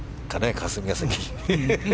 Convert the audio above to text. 霞が関。